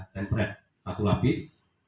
tempered satu lapis